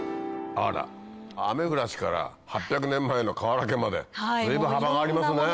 あらアメフラシから８００年前のかわらけまでずいぶん幅がありますね。